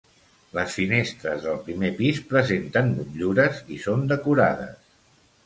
Les finestres del primer pis presenten motllures i són decorades.